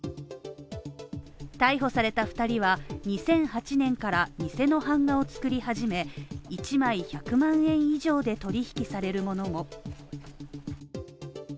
逮捕された２人は、２００８年から偽の版画を作り始め、１枚１００万円以上で取引されるものもありました。